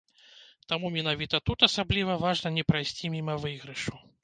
Таму менавіта тут асабліва важна не прайсці міма выйгрышу.